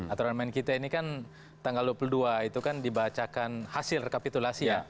aturan main kita ini kan tanggal dua puluh dua itu kan dibacakan hasil rekapitulasi ya